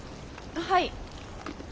はい。